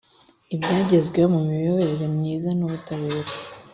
ibyagezweho mu miyoborere myiza n’ubutabera